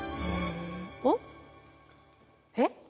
おっ？えっ？